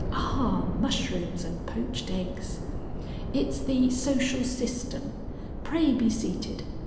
Ah! mushrooms and poached eggs! It's the Social System. Pray be seated.